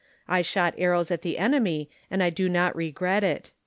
I shot arrows at the enemy, and do not regret it."